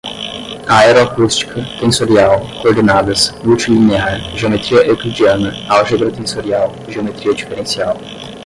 aeroacústica, tensorial, coordenadas, multilinear, geometria euclidiana, álgebra tensorial, geometria diferencial